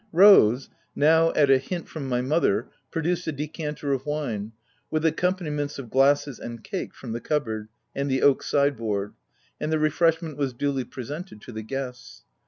Rose, now, at a hint from my mother, pro duced a decanter of wine, with accompaniments of glasses and cake, from the cupboard under the oak sideboard, and the refreshment was duly presented to the guests.